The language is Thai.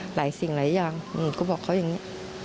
หลายสิ่งหลายอย่างหนูก็บอกเขาอย่างนี้